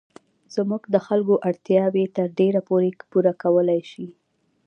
زموږ د خلکو اړتیاوې تر ډېره پوره کولای شي.